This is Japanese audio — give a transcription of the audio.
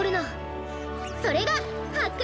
それがはっく